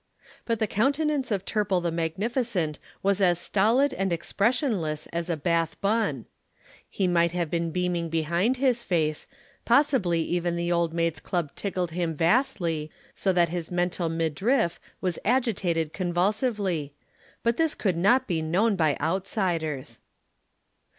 But the countenance of Turple the magnificent was as stolid and expressionless as a Bath bun. He might have been beaming behind his face, possibly even the Old Maids' Club tickled him vastly, so that his mental midriff was agitated convulsively; but this could not be known by outsiders.